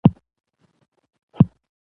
د باران د اوبو ذخیره کول د وچکالۍ مخه نیسي.